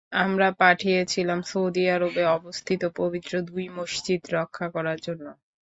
আমরা পাঠিয়েছিলাম সৌদি আরবে অবস্থিত পবিত্র দুই মসজিদ রক্ষা করার জন্য।